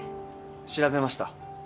調べました。